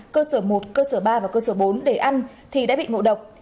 cơ sở một cơ sở ba và cơ sở bốn để ăn thì đã bị ngộ độc